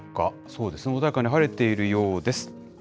そうですね、穏やかに晴れているようです。